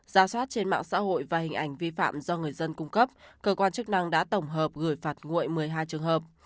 ra soát trên mạng xã hội và hình ảnh vi phạm do người dân cung cấp cơ quan chức năng đã tổng hợp gửi phạt nguội một mươi hai trường hợp